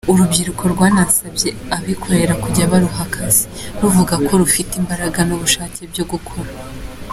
Urubyiruko rwanasabye abikorera kujya baruha akazi, ruvuga ko rufite imbaraga n’ubushake byo gukora.